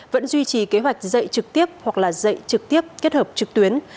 vẫn duy trì kế hoạch dạy trực tiếp hoặc là dạy trực tiếp kết hợp trực tuyến